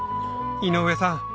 井上さん